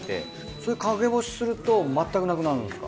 それ陰干しするとまったくなくなるんですか？